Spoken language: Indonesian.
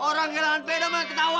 orang hilang peda malah ketawa